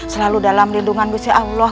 selalu dalam lindungan gusti allah